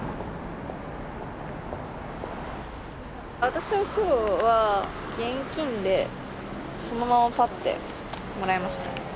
私は今日は現金でそのままパッてもらいました。